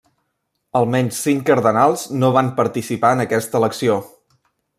Almenys cinc cardenals no van participar en aquesta elecció.